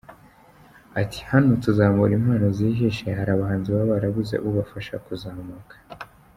Ati “Hano tuzamura impano zihishe, hari abahanzi baba barabuze ubafasha kuzamuka.